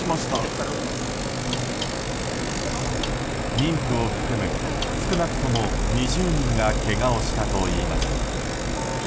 妊婦を含む少なくとも２０人がけがをしたといいます。